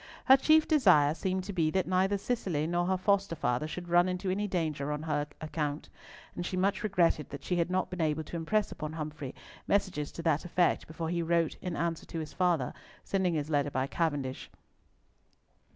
Her chief desire seemed to be that neither Cicely nor her foster father should run into danger on her account, and she much regretted that she had not been able to impress upon Humfrey messages to that effect before he wrote in answer to his father, sending his letter by Cavendish.